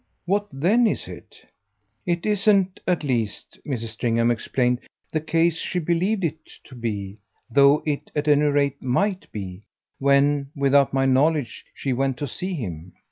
"What then is it?" "It isn't, at least," Mrs. Stringham explained, "the case she believed it to be thought it at any rate MIGHT be when, without my knowledge, she went to see him.